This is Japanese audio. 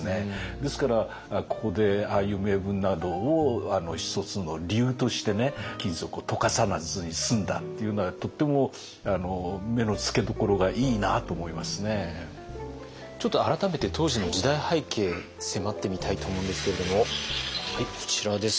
ですからここでああいう銘文などを一つの理由として金属を溶かさずに済んだっていうのはとってもちょっと改めて当時の時代背景迫ってみたいと思うんですけれどもはいこちらです。